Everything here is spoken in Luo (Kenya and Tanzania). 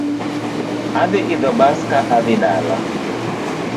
Adhi idho bas ka adhi dala